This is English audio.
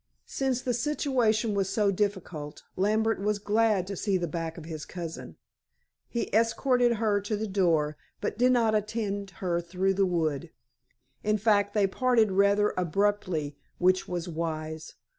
Since the situation was so difficult, Lambert was glad to see the back of his cousin. He escorted her to the door, but did not attend her through the wood. In fact, they parted rather abruptly, which was wise.